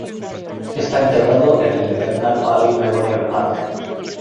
Está enterrado en el Eternal Valley Memorial Park.